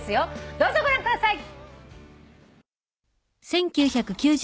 どうぞご覧ください。